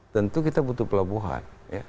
tentu kita butuh pelabuhan